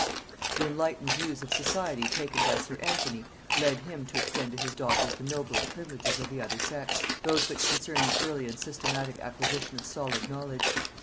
The enlightened views of society taken by sir Anthony led him to extend to his daughters the noblest privileges of the other sex, those which concern the early and systematic acquisition of solid knowledge.